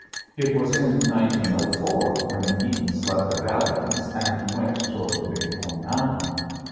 It was in 1904 when the Eatons left the Bad Lands and went toward the Big Horn Mountain.